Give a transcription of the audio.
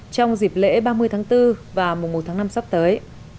trong dịp lễ ba mươi tháng bốn và mùa một tháng năm sắp tới